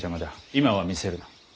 今は見せるな。